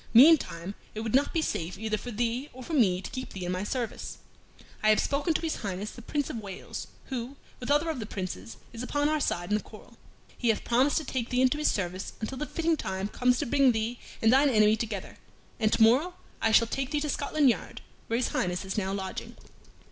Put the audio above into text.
Meantime it would not be safe either for thee or for me to keep thee in my service. I have spoken to his Highness the Prince of Wales, who, with other of the Princes, is upon our side in this quarrel. He hath promised to take thee into his service until the fitting time comes to bring thee and thine enemy together, and to morrow I shall take thee to Scotland Yard, where his Highness is now lodging."